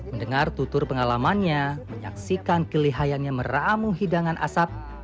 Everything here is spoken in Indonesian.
mendengar tutur pengalamannya menyaksikan kelihayanya meramu hidangan asap